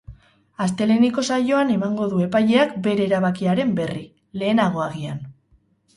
Asteleheneko saioan emango du epaileak bere erabakiaren berri, lehenago agian.